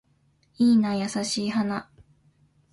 いいな優しい花